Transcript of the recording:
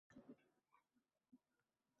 Hali buyurtmasi kelmadi